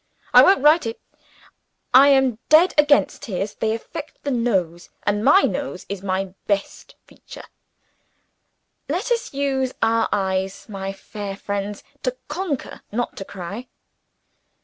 I won't write it; I am dead against tears. They affect the nose; and my nose is my best feature. Let us use our eyes, my fair friends, to conquer, not to cry.